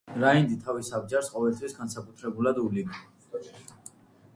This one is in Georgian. რაინდი თავის აბჯარს ყოველთვის განსაკუთრებულად უვლიდა.